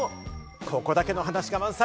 ここだけの話が満載！